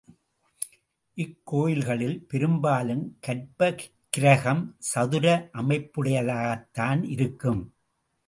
இக்கோயில்களில் பெரும்பாலும் கர்ப்பகிருகம் சதுர அமைப்புடையதாகத்தான் இருக்கும்.